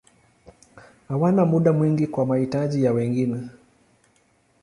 Hawana muda mwingi kwa mahitaji ya wengine.